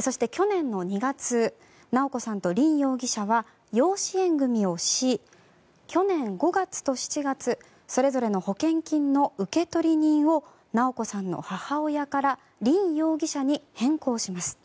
そして去年の２月直子さんと凜容疑者は養子縁組をし、去年５月と７月それぞれの保険金の受取人を直子さんの母親から凜容疑者に変更します。